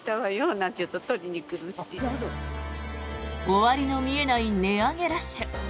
終わりの見えない値上げラッシュ。